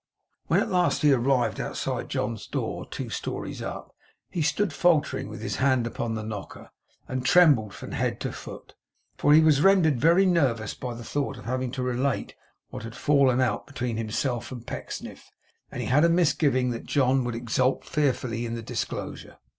When at last he arrived outside John's door, two stories up, he stood faltering with his hand upon the knocker, and trembled from head to foot. For he was rendered very nervous by the thought of having to relate what had fallen out between himself and Pecksniff; and he had a misgiving that John would exult fearfully in the disclosure.